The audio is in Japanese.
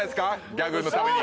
ギャグのために。